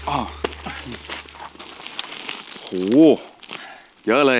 โอ้โหเยอะเลย